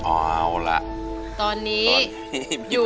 อ๋อเอาล่ะตอนนี้ตอนนี้อยู่